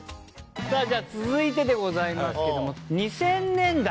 さあじゃあ続いてでございますけども２０００年代。